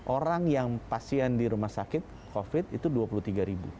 orang yang pasien di rumah sakit covid itu dua puluh tiga ribu